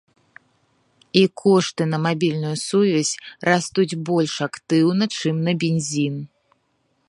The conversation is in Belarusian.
І кошты на мабільную сувязь растуць больш актыўна, чым на бензін.